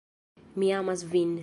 Mi amas vin.